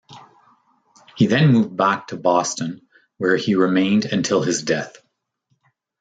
He then moved back to Boston, where he remained until his death.